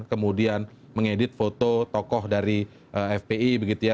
kemudian mengedit foto tokoh dari fpi begitu ya